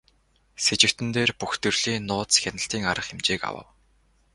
Сэжигтэн дээр бүх төрлийн нууц хяналтын арга хэмжээг авав.